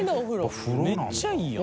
めっちゃいいやん。